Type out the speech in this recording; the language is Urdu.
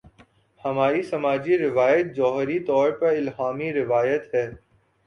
ہماری سماجی روایت جوہری طور پر الہامی روایت ہے۔